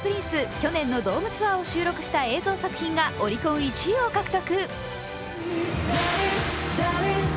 去年のドームツアーを収録した映像作品がオリコン１位を獲得。